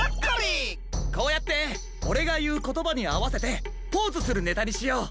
こうやってオレがいうことばにあわせてポーズするネタにしよう。